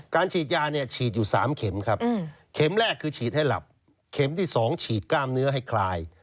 ฉีดยาเนี่ยฉีดอยู่๓เข็มครับเข็มแรกคือฉีดให้หลับเข็มที่๒ฉีดกล้ามเนื้อให้คลาย